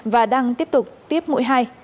và đang tiếp tục tiêm mũi hai